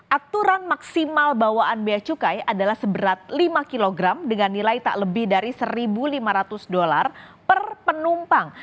aturan maksimal bawaan biaya cukai adalah seberat lima kg dengan nilai tak lebih dari satu lima ratus dolar per penumpang